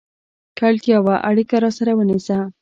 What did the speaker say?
که اړتیا وه، اړیکه راسره ونیسه!